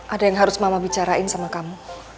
ada yang harus mama bicarain sama kamu